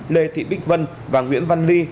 lê thị bích vân và nguyễn văn ly